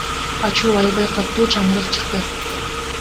Ачуу, аябай катуу чаңырык чыкты.